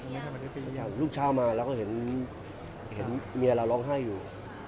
ลูกชาวมาพระนุนชาวมาเราก็เห็นเห็นเมียเราน้องให้อยู่